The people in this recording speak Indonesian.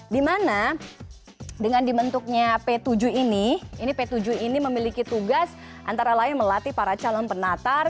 dimana dengan dibentuknya p tujuh ini ini p tujuh ini memiliki tugas antara lain melatih para calon penatar